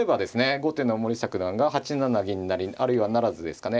後手の森下九段が８七銀成あるいは不成ですかね。